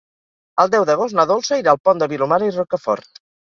El deu d'agost na Dolça irà al Pont de Vilomara i Rocafort.